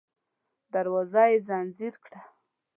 دروازه يې ځنځير کړه.